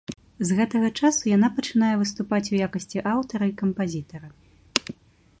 З гэтага часу яна пачынае выступаць у якасці аўтара і кампазітара.